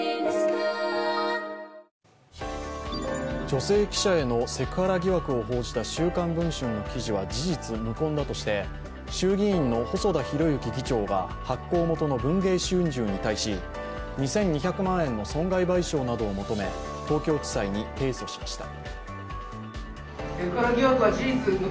女性記者へのセクハラ疑惑を報じた「週刊文春」の記事は事実無根だとして衆議院の細田博之議長が発行元の文芸春秋に対し、２２００万円の損害賠償などを求め、東京地裁に提訴しました。